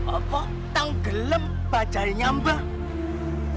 apa tenggelam bajanya mbak